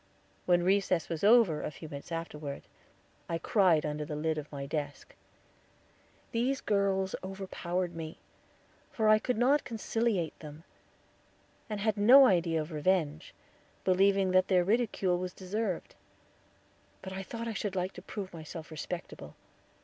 When recess was over a few minutes afterward, I cried under the lid of my desk. These girls overpowered me, for I could not conciliate them, and had no idea of revenge, believing that their ridicule was deserved. But I thought I should like to prove myself respectable.